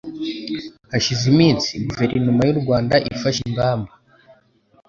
Hashize iminsi Guverinoma y'u Rwanda ifashe ingamba